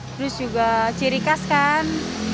terus juga ciri khas kan